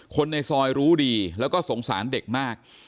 คนในซอยรู้ดีแล้วก็สงสารเด็กมาก